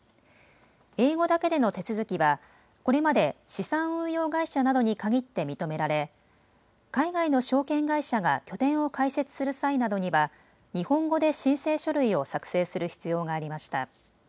英語だけでの手続きはこれまで資産運用会社などに限って認められ海外の証券会社が拠点を開設する際などには日本語で申請書類を作成する必要がありました。